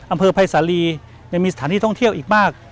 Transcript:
อำเภอภัยสาลียังมีสถานที่ท่องเที่ยวอีกมาก